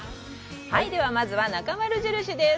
では、まずはなかまる印です。